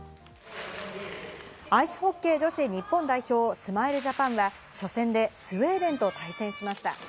アイスホッケー女子日本代表・スマイルジャパンは、初戦でスウェーデンと対戦しました。